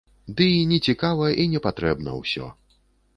Ды і не цікава, і не патрэбна ўсё.